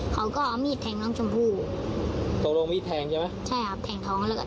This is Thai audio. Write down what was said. เขาก็เอามีดแทงน้องชมพู่ตกลงมีดแทงใช่ไหมใช่ครับแทงท้องแล้วก็